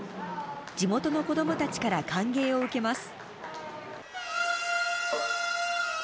地元の子どもたちから歓迎を受けます。